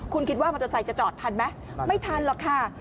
คุณคิดว่ามันจะใส่จอดทันไหมไม่ทันหรอกค่ะ